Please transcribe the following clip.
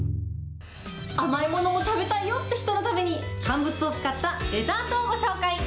甘いものも食べたいよって人のために、乾物を使ったデザートをご紹介。